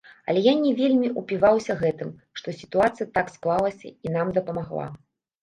Але я не вельмі ўпіваюся гэтым, што сітуацыя так склалася і нам дапамагла.